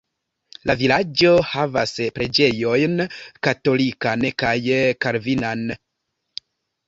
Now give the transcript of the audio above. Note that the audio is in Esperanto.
La vilaĝo havas preĝejojn katolikan kaj kalvinanan.